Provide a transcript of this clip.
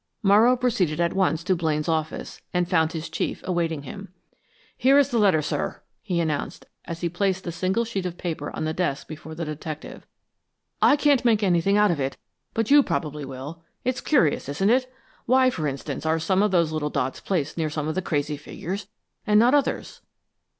Morrow proceeded at once to Blaine's office and found his chief awaiting him. "Here's the letter, sir," he announced, as he placed the single sheet of paper on the desk before the detective. "I can't make anything out of it, but you probably will. It's curious, isn't it! Why, for instance, are those little dots placed near some of the crazy figures, and not others?"